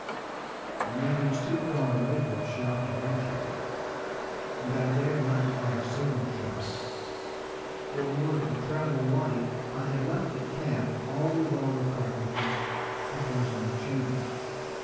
And yet he was too far away for a shout to reach him, and I dared not fire signal shots, for in order to travel light, I had left at camp all revolver cartridges but those in the chambers.